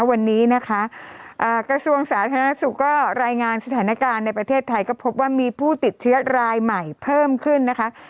วันนี้นะคะกระทรวงสาธารณสุขก็รายงานสถานการณ์ในประเทศไทยก็พบว่ามีผู้ติดเชื้อรายใหม่เพิ่มขึ้นนะคะ